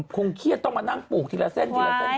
คงเครียดต้องมานั่งปลูกทีละเล่น